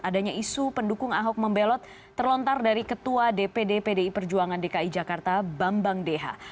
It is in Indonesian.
adanya isu pendukung ahok membelot terlontar dari ketua dpd pdi perjuangan dki jakarta bambang deha